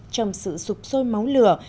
trong sự rụt rôi máu lửa